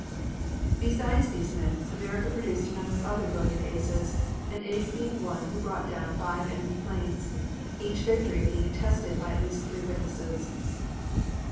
Besides these men, America produced a number of other brilliant aces, an ace being one who brought down five enemy planes, each victory being attested by at least three witnesses.